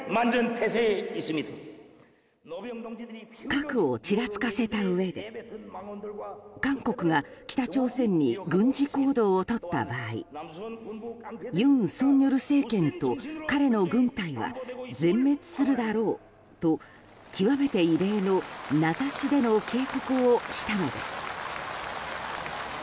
核をちらつかせたうえで韓国が北朝鮮に軍事行動をとった場合尹錫悦政権と彼の軍隊は全滅するだろうと極めて異例の名指しでの警告をしたのです。